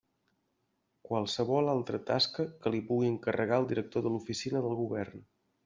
Qualsevol altra tasca que li pugui encarregar el director de l'Oficina del Govern.